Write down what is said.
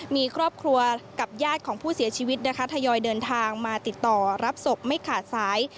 มีครอบครัวกับญาติของผู้เสียชีวิตนะคะทยอยเดินทางมาติดต่อรับศพไม่ขาดสาย